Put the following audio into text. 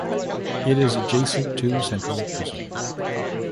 It is adjacent to Central Prison.